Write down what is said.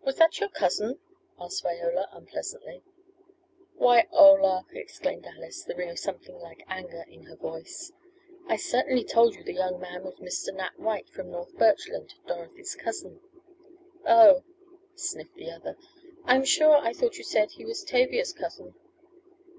"Was that your cousin?" asked Viola unpleasantly. "Why, Ola," exclaimed Alice, the ring of something like anger in her voice, "I certainly told you the young man was Mr. Nat White from North Birchland, Dorothy's cousin." "Oh," sniffed the other. "I am sure I thought you said he was Tavia's cousin."